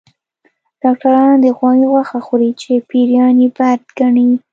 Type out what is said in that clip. ډاکټران د غوايي غوښه خوري چې پيريان يې بد ګڼي